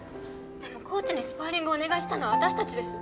でもコーチにスパーリングをお願いしたのは私たちです。